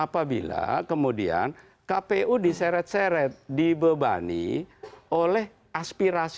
nah ini menjadi berat